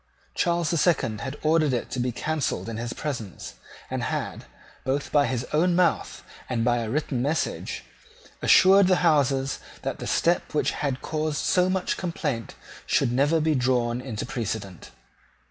Charles the Second had ordered it to be cancelled in his presence, and had, both by his own mouth and by a written message, assured the Houses that the step which had caused so much complaint should never be drawn into precedent.